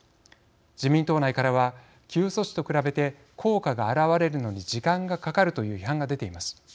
自民党内からは給付措置と比べて効果があらわれるのに時間がかかるという批判が出ています。